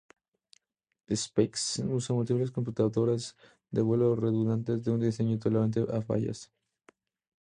SpaceX usa múltiples computadoras de vuelo redundantes en un diseño tolerante a fallas.